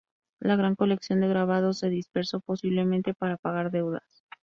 La gran colección de grabados se dispersó, posiblemente para pagar deudas.